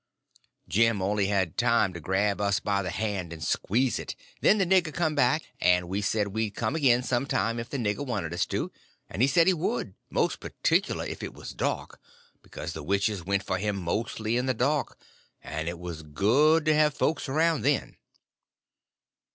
Jim only had time to grab us by the hand and squeeze it; then the nigger come back, and we said we'd come again some time if the nigger wanted us to; and he said he would, more particular if it was dark, because the witches went for him mostly in the dark, and it was good to have folks around then.